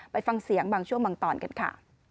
ไปฟังเสียงบางช่วงบางตอนกันค่ะ